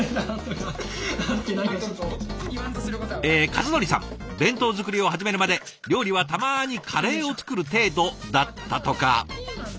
え和範さん弁当作りを始めるまで料理はたまにカレーを作る程度だったとか。